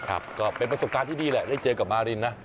ก็เป็นประสบการณ์ที่ดีแหละได้เจอกับมารินนะ